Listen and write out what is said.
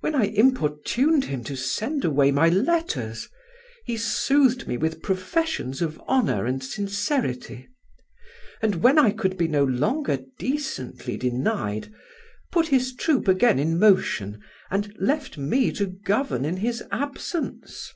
When I importuned him to send away my letters, he soothed me with professions of honour and sincerity; and when I could be no longer decently denied, put his troop again in motion, and left me to govern in his absence.